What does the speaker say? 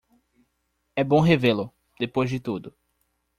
É bom revê-lo, depois de tudo